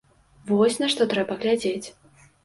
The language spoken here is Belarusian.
Вось на што трэба глядзець!